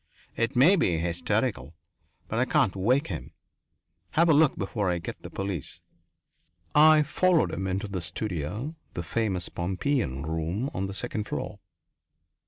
It may be hysterical, but I can't wake him. Have a look before I get the police." I followed him into the studio, the famous Pompeian room, on the second floor.